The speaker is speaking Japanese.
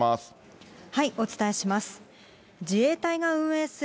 お伝えします。